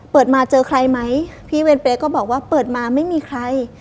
เปิดมาเจอใครไหมพี่เวรเปรย์ก็บอกว่าเปิดมาไม่มีใคร